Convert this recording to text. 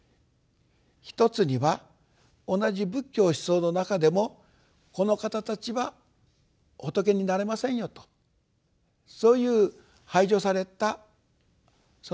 一つには同じ仏教思想の中でも「この方たちは仏になれませんよ」とそういう排除されたお方たちがあったと。